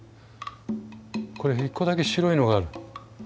これ１個だけ白いのがある。